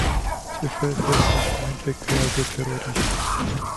Ce fel de sentimente creează teroriștii?